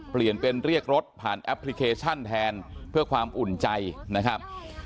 เปลี่ยนเป็นเรียกรถผ่านแอปพลิเคชันแทนเพื่อความอุ่นใจนะครับ